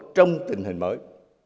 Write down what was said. trong tình hình mới